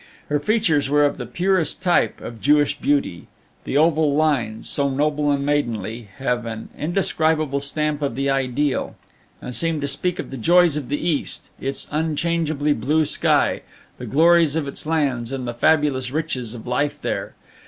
Her features were of the purest type of Jewish beauty; the oval lines, so noble and maidenly, have an indescribable stamp of the ideal, and seem to speak of the joys of the East, its unchangeably blue sky, the glories of its lands, and the fabulous riches of life there.